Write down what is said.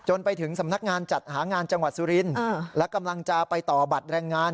ไปถึงสำนักงานจัดหางานจังหวัดสุรินทร์และกำลังจะไปต่อบัตรแรงงาน